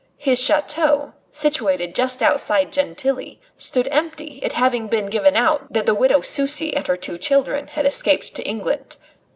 His chateau, situated just outside Gentilly, stood empty, it having been given out that the widow Sucy and her two children had escaped to England.